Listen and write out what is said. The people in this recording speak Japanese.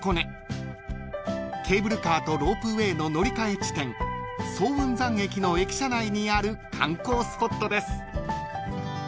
［ケーブルカーとロープウェイの乗り換え地点早雲山駅の駅舎内にある観光スポットです］